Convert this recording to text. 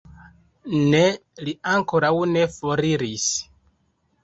Ne, li ankoraŭ ne foriris.